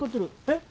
えっ？